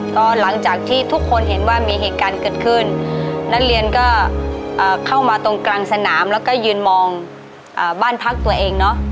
ก็หลังจากที่ทุกคนเห็นว่ามีเหตุการณ์เกิดขึ้นนักเรียนก็เข้ามาตรงกลางสนามแล้วก็ยืนมองบ้านพักตัวเองเนอะ